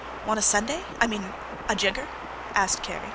"Want a sundae—I mean a jigger?" asked Kerry.